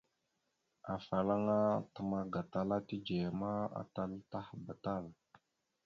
Afalaŋa təmak gatala tidzeya ma, atal taɗəba tal.